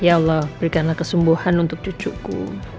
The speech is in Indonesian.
ya allah berikanlah kesumbuhan untuk cucuku